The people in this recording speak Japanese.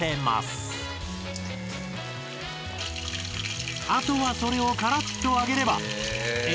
あとはそれをカラッと揚げれば「エモ唐」の完成！